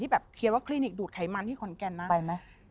แบบเขียนว่าคลินิกดูดไขมันที่ขอนแก่นนะไปไหม